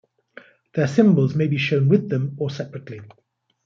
Their symbols may be shown with them, or separately.